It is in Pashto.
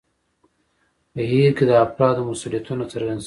په هیر کې د افرادو مسوولیتونه څرګند شوي وو.